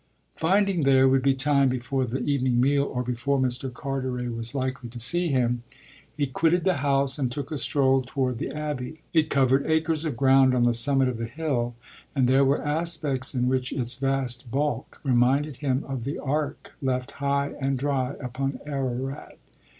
Finding there would be time before the evening meal or before Mr. Carteret was likely to see him he quitted the house and took a stroll toward the abbey. It covered acres of ground on the summit of the hill, and there were aspects in which its vast bulk reminded him of the ark left high and dry upon Ararat.